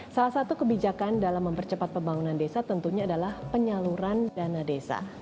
salah satu kebijakan dalam mempercepat pembangunan desa tentunya adalah penyaluran dana desa